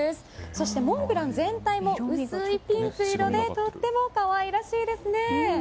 そしてモンブラン全体も薄いピンク色でとっても可愛らしいですね。